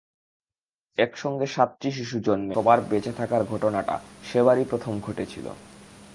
একসঙ্গে সাতটি শিশু জন্মে সবার বেঁচে থাকার ঘটনাটা সেবারই প্রথম ঘটেছিল।